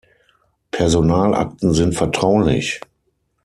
Personalakten sind vertraulich.